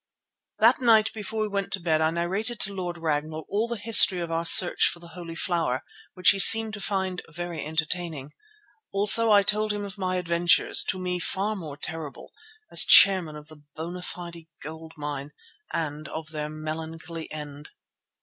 That night before we went to bed I narrated to Lord Ragnall all the history of our search for the Holy Flower, which he seemed to find very entertaining. Also I told him of my adventures, to me far more terrible, as chairman of the Bona Fide Gold Mine and of their melancholy end.